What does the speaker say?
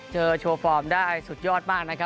โชว์ฟอร์มได้สุดยอดมากนะครับ